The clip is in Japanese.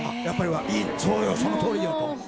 やっぱりそうよそのとおりよと。